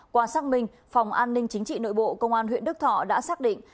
qua xác minh phòng an ninh chính trị nội bộ công an huyện đức thọ đã xác định